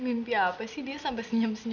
mimpi apa sih dia sampai senyum senyum